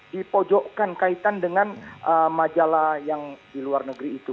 dipojokkan kaitan dengan majalah yang di luar negeri itu